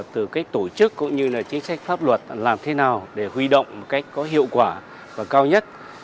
từ cách tổ chức cũng như là chính sách pháp luật làm thế nào để huy động một cách có hiệu quả và cao nhất